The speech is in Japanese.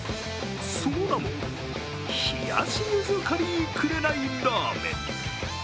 その名も冷やし柚子カリー紅らーめん。